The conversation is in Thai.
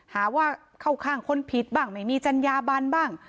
หาว่าเข้าข้างคนผิดบ้างไม่มีจัญญาบันบ้าง